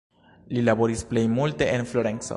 Li laboris plej multe en Florenco.